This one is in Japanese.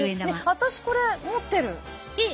私これ持ってる！え！